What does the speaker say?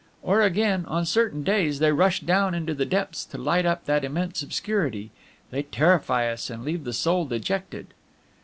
Or again, on certain days, they rush down into the depths to light up that immense obscurity; they terrify us and leave the soul dejected.